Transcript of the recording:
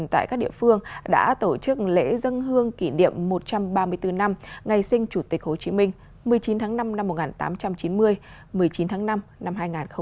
tại các địa phương đã tổ chức lễ dân hương kỷ niệm một trăm ba mươi bốn năm ngày sinh chủ tịch hồ chí minh một mươi chín tháng năm năm một nghìn tám trăm chín mươi một mươi chín tháng năm năm hai nghìn hai mươi bốn